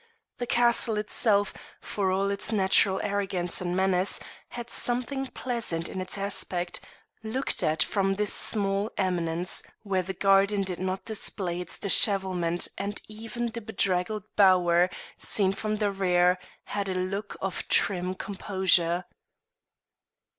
The castle itself, for all its natural arrogance and menace, had something pleasant in its aspect looked at from this small eminence, where the garden did not display its dishevelment and even the bedraggled bower seen from the rear had a look of trim' composure.